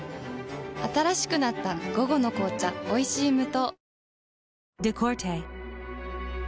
新しくなった「午後の紅茶おいしい無糖」